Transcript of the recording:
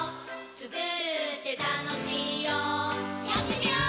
つくるってたのしいよやってみよー！